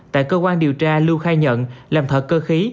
tại cơ quan điều tra lưu khai nhận làm thợ cơ khí